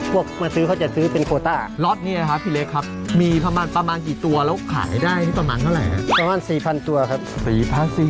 คุณผู้ชมครับคุณผู้ชมเล็กตัวนี้ครับตัวนี้กระโดดจับจับได้ไหมจับไม่ได้ครับผม